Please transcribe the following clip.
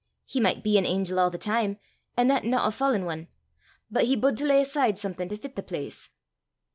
He micht be an angel a' the time, an' that no a fallen ane, but he bude to lay aside something to fit the place."